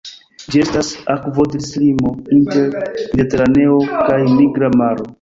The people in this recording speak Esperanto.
Ĝi estas akvodislimo inter Mediteraneo kaj Nigra Maro.